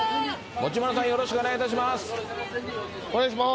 持丸さん、よろしくお願いいたします。